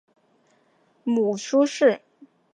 母舒氏。